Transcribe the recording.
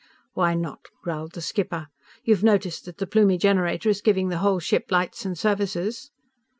"Why not?" growled the skipper. "_You've noticed that the Plumie generator is giving the whole ship lights and services?